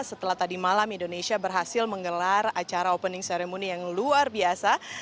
setelah tadi malam indonesia berhasil menggelar acara opening ceremony yang luar biasa